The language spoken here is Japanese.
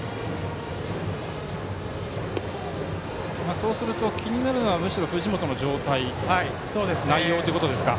そうすると気になるのはむしろ藤本の状態内容ということですか。